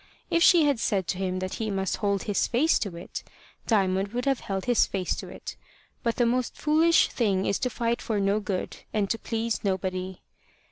If she had said to him that he must hold his face to it, Diamond would have held his face to it. But the most foolish thing is to fight for no good, and to please nobody.